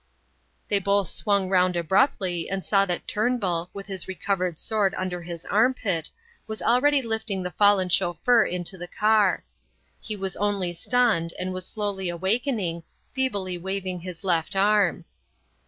They both swung round abruptly and saw that Turnbull, with his recovered sword under his arm pit, was already lifting the fallen chauffeur into the car. He was only stunned and was slowly awakening, feebly waving his left arm.